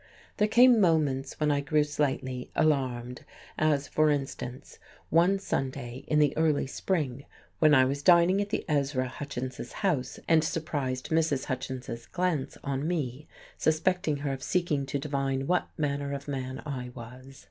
There came moments when I grew slightly alarmed, as, for instance, one Sunday in the early spring when I was dining at the Ezra Hutchins's house and surprised Mrs. Hutchins's glance on me, suspecting her of seeking to divine what manner of man I was.